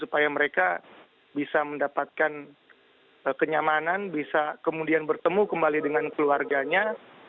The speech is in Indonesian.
supaya mereka bisa mendapatkan kenyamanan bisa kemudian bertemu kembali dengan keluarganya